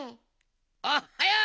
おっはよう！